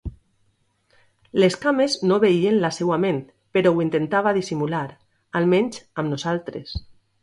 Les cames no obeïen la seua ment però ho intentava dissimular, almenys amb nosaltres.